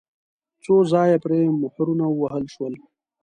څو ځایه پرې مهرونه ووهل شول.